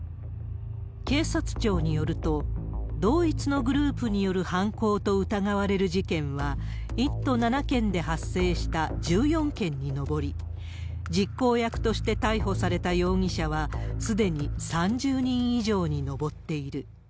警察庁によると、同一のグループによる犯行と疑われる事件は、１都７県で発生した１４件に上り、実行役として逮捕された容疑者は、すでに３０人以上に上っている。